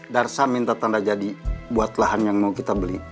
darsa minta tanda jadi buat lahan yang mau kita beli